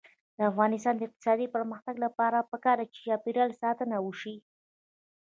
د افغانستان د اقتصادي پرمختګ لپاره پکار ده چې چاپیریال ساتنه وشي.